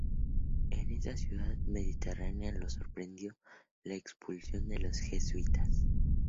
En esa ciudad mediterránea lo sorprendió la expulsión de los jesuitas.